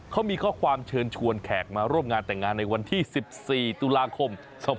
เขามีข้อความเชิญชวนแขกมาร่วมงานแต่งงานในวันที่๑๔ตุลาคม๒๕๖๒